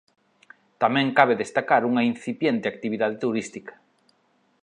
Tamén cabe destacar unha incipiente actividade turística.